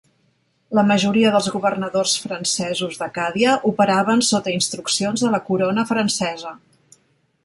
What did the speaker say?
La majoria dels governadors francesos d'Acàdia operaven sota instruccions de la corona francesa.